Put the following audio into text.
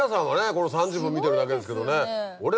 この３０分見てるだけですけどね。